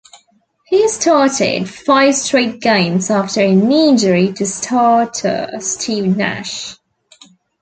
He started five straight games after a knee injury to starter Steve Nash.